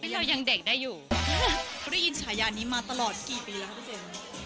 เค้าได้ยินฉายานี้มาตลอดกี่ปีเหรอครับเอาเจน